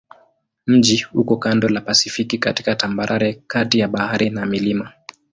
Mji uko kando la Pasifiki katika tambarare kati ya bahari na milima.